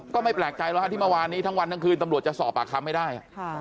ก็ไม่แปลกใจแล้วฮะที่เมื่อวานนี้ทั้งวันทั้งคืนตำรวจจะสอบปากคำไม่ได้